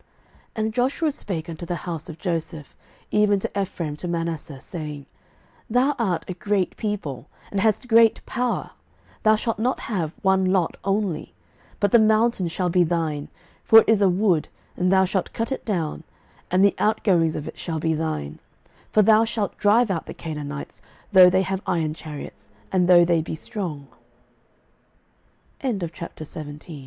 06:017:017 And Joshua spake unto the house of Joseph, even to Ephraim and to Manasseh, saying, Thou art a great people, and hast great power: thou shalt not have one lot only: 06:017:018 But the mountain shall be thine; for it is a wood, and thou shalt cut it down: and the outgoings of it shall be thine: for thou shalt drive out the Canaanites, though they have iron chari